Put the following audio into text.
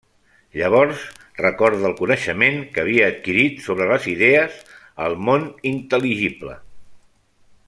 Llavors recorda el coneixement que havia adquirit sobre les idees al món intel·ligible.